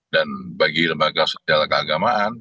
dan bagi lembaga sosial keagamaan